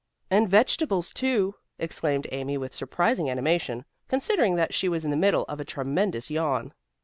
"And fresh vegetables too," exclaimed Amy with surprising animation, considering that she was in the middle of a tremendous yawn.